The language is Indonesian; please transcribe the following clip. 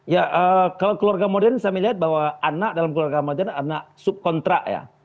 ya kalau keluarga modern saya melihat bahwa anak dalam keluarga modern anak subkontrak ya